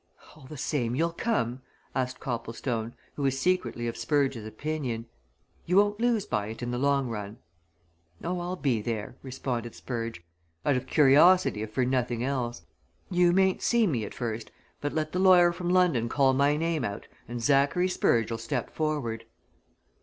"All the same, you'll come?" asked Copplestone, who was secretly of Spurge's opinion. "You won't lose by it in the long run." "Oh, I'll be there," responded Spurge. "Out of curiosity, if for nothing else. You mayn't see me at first, but, let the lawyer from London call my name out, and Zachary Spurge'll step forward."